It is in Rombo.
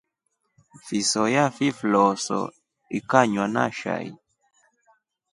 Fisoya fifloso ikanywa na shai.